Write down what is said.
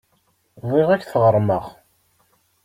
Bɣiɣ ad ak-t-ɣermeɣ.